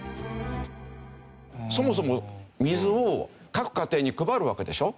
そもそも水を各家庭に配るわけでしょ？